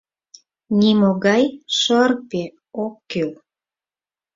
Нимогай шырпе ок кӱл.